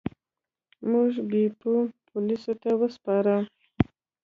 موږ بیپو پولیسو ته وسپاره.